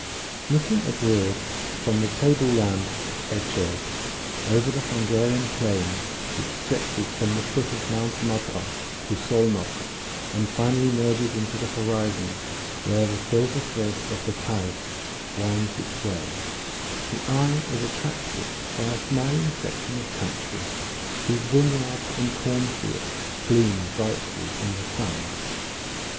Looking abroad from the table land of Esced, over the Hungarian plain that stretches from the foot of Mount Matra to Szolnok, and finally merges into the horizon where the silver thread of the Theiss winds its way, the eye is attracted by a smiling section of country whose vineyards and cornfields gleam brightly in the sun.